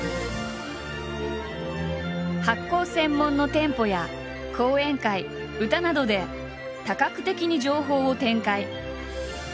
発酵専門の店舗や講演会歌などで多角的に情報を展開。